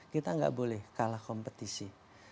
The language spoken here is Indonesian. kita nggak boleh kalah kompetisi